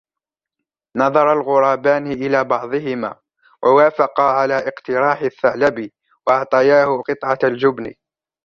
نظر الغرابان إلى بعضهما ووافقا على اقتراح الثعلب وأعطياه قطعة الجبن